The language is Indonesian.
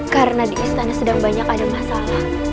karena di istana sedang banyak ada masalah